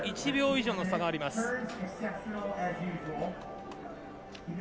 １秒以上の差があります。